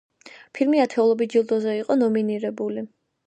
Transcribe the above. ფილმი ათეულობით ჯილდოზე იყო ნომინირებული.